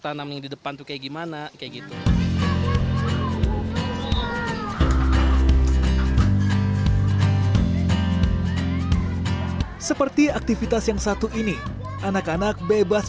tanam yang di depan tuh kayak gimana kayak gitu seperti aktivitas yang satu ini anak anak bebas